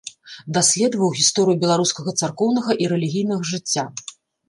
Даследаваў гісторыю беларускага царкоўнага і рэлігійнага жыцця.